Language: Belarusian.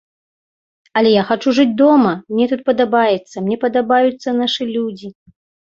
Але я хачу жыць дома, мне тут падабаецца, мне падабаюцца нашы людзі.